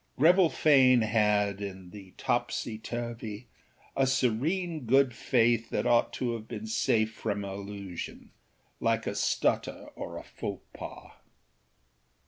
Greville Fane had, in the topsy turvy, a serene good faith that ought to have been safe from allusion, like a stutter or a faux pas.